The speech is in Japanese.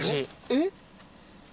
えっ！？